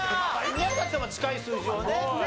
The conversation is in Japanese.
宮崎さんは近い数字をね。